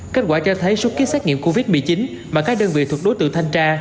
kết quả cho thấy suốt ký xét nghiệm covid một mươi chín mà các đơn vị thuộc đối tượng thanh tra